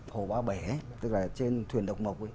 hồ ba bể tức là trên thuyền độc mộc